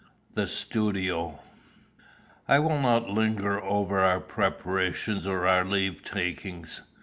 THE STUDIO. I will not linger over our preparations or our leave takings.